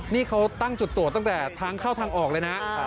นี่เขาตั้งจุดตรวจตั้งแต่ทางเข้าทางออกเลยนะ